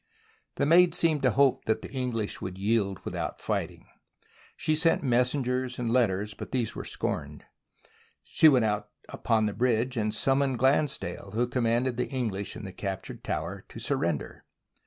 The Maid seemed to hope the English would yield without fighting. She sent messengers and let ters, but these were scorned. She went out upon the bridge, and summoned Glansdale, who commanded the English in the captured tower, to surrender.